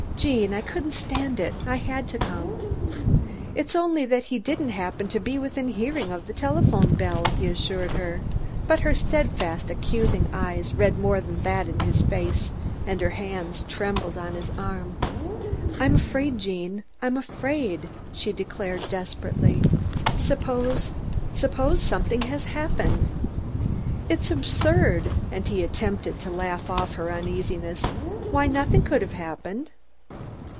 Gene, I couldn't stand it. I had to come." "It's only that he didn't happen to be within hearing of the telephone bell," he assured her. But her steadfast, accusing eyes read more than that in his face, and her hands trembled on his arm. "I'm afraid, Gene, I'm afraid," she declared desperately. "Suppose suppose something has happened?" "It's absurd," and he attempted to laugh off her uneasiness. "Why, nothing could have happened."